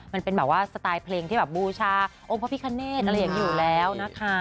มันเป็นแบบว่าสไตล์เพลงที่แบบบูชาองค์พระพิคเนตอะไรอย่างนี้อยู่แล้วนะคะ